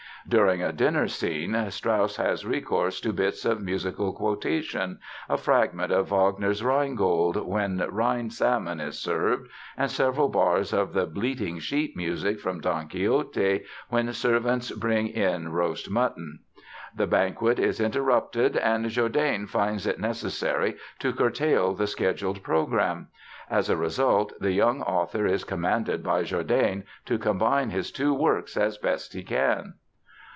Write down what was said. During a dinner scene Strauss has recourse to bits of musical quotation—a fragment of Wagner's Rheingold when Rhine salmon is served and several bars of the bleating sheep music from Don Quixote when servants bring in roast mutton. The banquet is interrupted and Jourdain finds it necessary to curtail the scheduled program. As a result the young author is commanded by Jourdain to combine his two works as best he can!